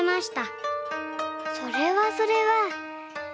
それはそれは。